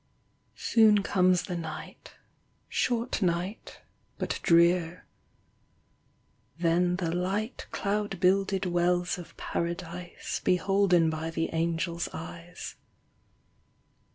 Soon comes the night —Short night but drear — then the light Cloud builded wells of Paradise ilden by the angel .' eyes.